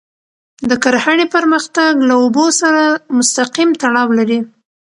د کرهڼې پرمختګ له اوبو سره مستقیم تړاو لري.